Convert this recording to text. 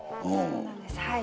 そうなんですはい。